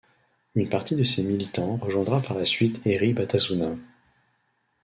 Une partie de ces militants rejoindra par la suite Herri Batasuna.